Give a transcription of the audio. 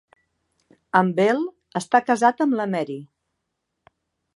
En Bell està casat amb la Mary